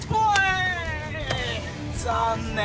残念。